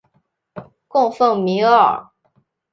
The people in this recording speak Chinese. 供奉弥额尔。